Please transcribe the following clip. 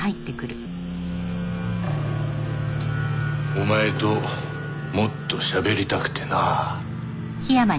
お前ともっとしゃべりたくてな。